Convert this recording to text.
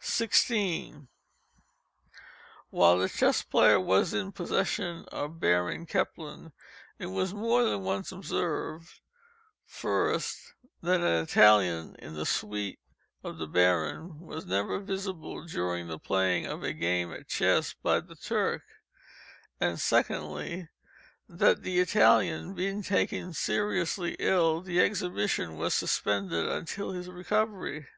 16. While the Chess Player was in possession of Baron Kempelen, it was more than once observed, first, that an Italian in the suite of the Baron was never visible during the playing of a game at chess by the Turk, and, secondly, that the Italian being taken seriously ill, the exhibition was suspended until his recovery.